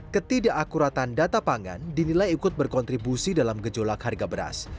ketidakakuratan data pangan dinilai ikut berkontribusi dalam gejolak harga beras